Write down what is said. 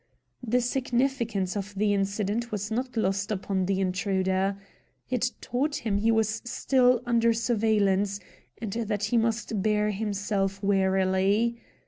The significance of the incident was not lost upon the intruder. It taught him he was still under surveillance, and that he must bear himself warily.